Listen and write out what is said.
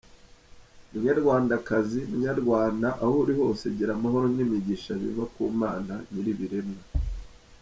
Munyarwandakazi, Munyarwanda aho uri hose gira amahoro n’imigisha biva ku Mana Nyiribiremwa.